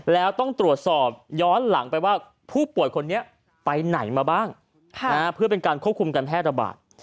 แล้วต้องตรวจสอบย้อนหลังไปว่าผู้ป่วยคนนี้ไปไหนมาบ้างเพื่อเป็นการควบคุมการแพร่ระบาด